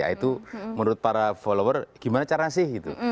itu menurut para followers gimana caranya sih gitu